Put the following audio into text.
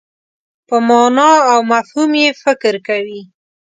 په مانا او مفهوم یې فکر کوي.